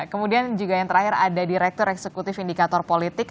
kemudian juga yang terakhir ada direktur eksekutif indikator politik